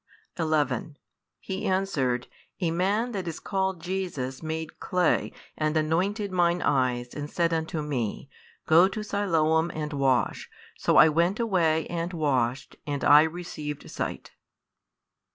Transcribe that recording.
11 He answered, A man that is called Jesus made clap, and anointed mine eyes, and said unto me, Go to Siloam and wash. So I went away and washed, and I received sight.